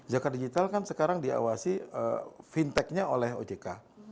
zakat digital kan sekarang diawasi fintech nya oleh ojk